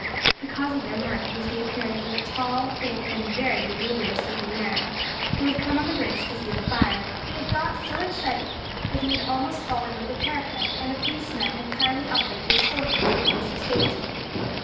The cause of their mirth was the appearance of a tall, thin, and very lugubrious looking man who had come on the bridge to see the fire. He had got so excited that he had almost fallen over the parapet, and a policeman had kindly offered to escort him to a place of safety.